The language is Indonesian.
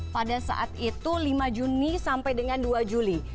pada saat itu lima juni sampai dengan dua juli